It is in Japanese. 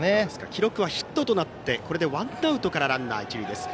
記録はヒットとなってワンアウトからランナー、一塁です。